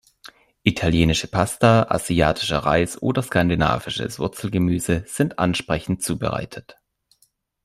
Italienische Pasta, asiatischer Reis oder skandinavisches Wurzelgemüse sind ansprechend zubereitet.